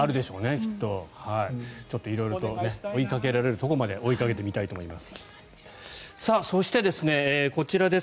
追いかけられるところまで追いかけてみたいと思います。